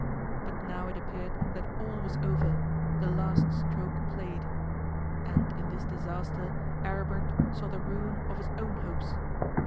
But now it appeared that all was over, the last stroke played. And in this disaster Aribert saw the ruin of his own hopes.